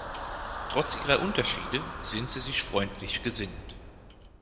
Trotz ihrer Unterschiede sind sie sich freundlich gesinnt.